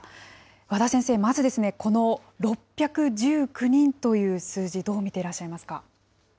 和田先生、まず、この６１９人という数字、どう見ていらっしゃいますか。